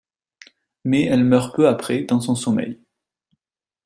Mais elle meurt peu après dans son sommeil.